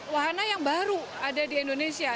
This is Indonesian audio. wahana yang baru ada di indonesia